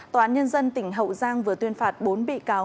tòa án nhân dân tỉnh hậu giang vừa tuyên phạt bốn bị cáo